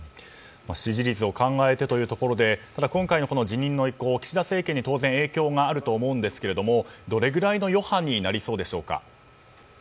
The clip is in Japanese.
支持率を考えてというところでただ、今回の辞任の意向は岸田政権にも影響があると思うんですがどれくらいの余波になりそうでしょうか？